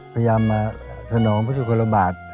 พยายามมาสนองพระสุกลบาท